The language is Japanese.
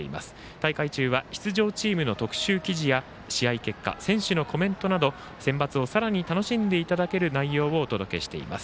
大会中は出場チームの特集記事や試合結果、選手のコメントなどセンバツをさらに楽しんでいただける内容をお届けしています。